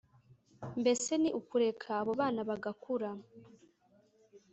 Mbese ni ukureka abo bana bagakura